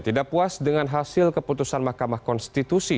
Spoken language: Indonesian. tidak puas dengan hasil keputusan mahkamah konstitusi